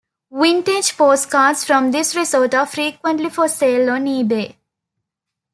Vintage postcards from this resort are frequently for sale on eBay.